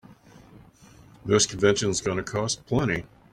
This convention's gonna cost plenty.